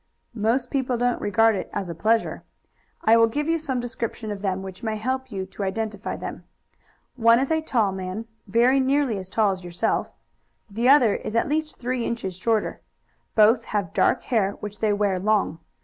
"Most people don't regard it as a pleasure. I will give you some description of them which may help you to identify them. One is a tall man, very nearly as tall as yourself; the other is at least three inches shorter. Both have dark hair which they wear long.